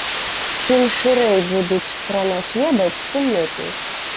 Чым шырэй будуць пра нас ведаць, тым лепей.